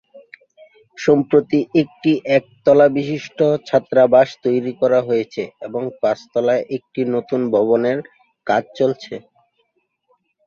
সম্প্রতি একটি এক তলা বিশিষ্ট ছাত্রাবাস তৈরি করা হয়েছে, এবং পাঁচ তলা একটি নতুন ভবনের কাজ চলছে।